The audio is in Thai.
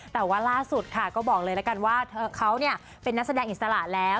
แต่ว่าล่าสุดค่ะก็บอกเลยละกันว่าเขาเป็นนักแสดงอิสระแล้ว